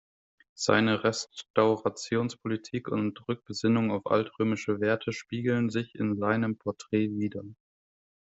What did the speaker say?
Seine Restaurationspolitik und Rückbesinnung auf altrömische Werte spiegeln sich in seinem Porträt wider.